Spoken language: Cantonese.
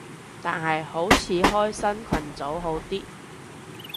但係好似開新群組好啲